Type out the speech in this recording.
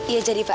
iya jadi pak